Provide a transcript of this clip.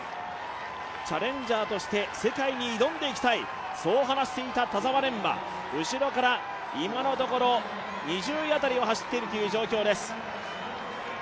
チャレンジャーとして世界に挑んでいきたい、そう話していた田澤廉が後ろから今のところ２０位辺りを走っているという状況です。